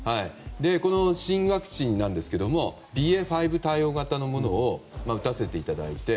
この新ワクチンですがＢＡ．５対応型のものを打たせていただいて。